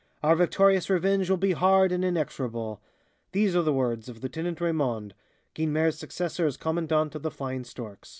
Our victorious revenge will be hard and inexorable." These are the words of Lieutenant Raymond, Guynemer's successor as Commandant of The Flying Storks.